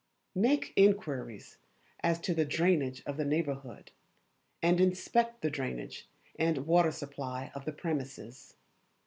Make inquiries as to the drainage of the neighbourhood, and inspect the drainage and water supply of the premises.